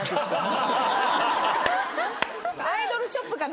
アイドルショップか